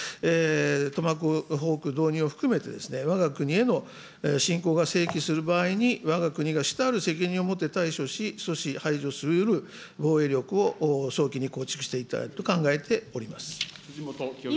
トマホーク導入を含めて、わが国への侵攻がせいきする場合に、わが国が主たる責任を持って対処し、阻止、排除しうる防衛力を早期に構築していきたいと考え辻元清美さん。